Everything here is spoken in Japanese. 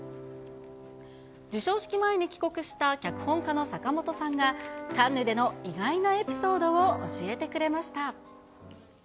授賞式前に帰国した脚本家の坂元さんが、カンヌでの意外なエピソードを教えてくれました。